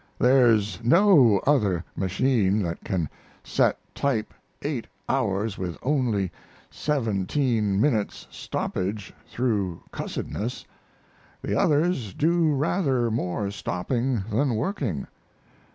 There's no other machine that can set type eight hours with only seventeen minutes' stoppage through cussedness. The others do rather more stopping than working.